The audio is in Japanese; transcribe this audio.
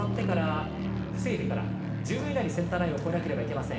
防いでから１０秒以内にセンターラインを越えなければなりません。